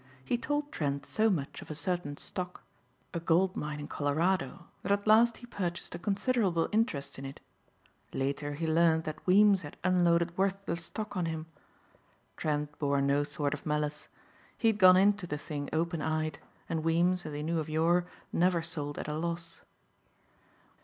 He told Trent so much of a certain stock a gold mine in Colorado that at last he purchased a considerable interest in it. Later he learned that Weems had unloaded worthless stock on him. Trent bore no sort of malice. He had gone into the thing open eyed and Weems, as he knew of yore, never sold at a loss.